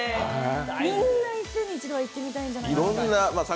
みんな一生に一度は行ってみたいんじゃないかな。